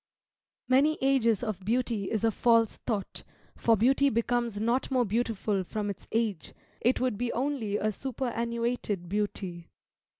Many ages of beauty is a false thought, for beauty becomes not more beautiful from its age; it would be only a superannuated beauty.